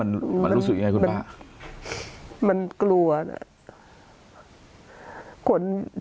มันรู้สึกอย่างไรคุณป่ามันกลัวนะ